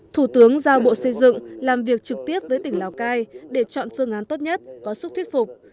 thủ tướng giao bộ xây dựng làm việc trực tiếp với tỉnh lào cai để chọn phương án tốt nhất có sức thuyết phục